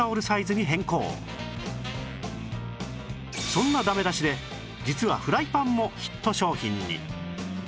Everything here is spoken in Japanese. そんなダメ出しで実はフライパンもヒット商品に